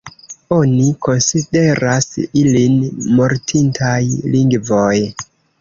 Oni konsideras ilin mortintaj lingvoj.